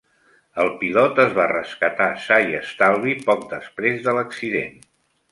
El pilot es va rescatar sa i estalvi poc després de l'accident.